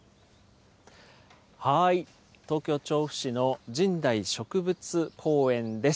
東京・調布市の神代植物公園です。